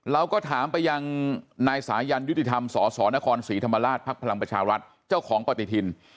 เราก็ถามไปยังนายสายันยุติธรรมสสนครศรีธรรมราชภักดิ์พลังประชารัฐเจ้าของปฏิทิน